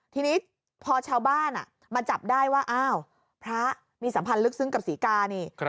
ทีนี้พอชาวบ้านมาจับได้ว่าอ้าวพระมีสัมพันธ์ลึกซึ้งกับศรีกานี่